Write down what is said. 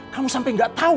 kamu sampai gak tahu